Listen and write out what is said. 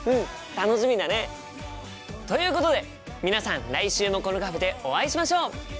楽しみだね！ということで皆さん来週もこのカフェでお会いしましょう！